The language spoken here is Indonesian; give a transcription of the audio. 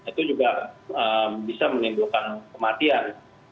itu juga bisa menimbulkan kematian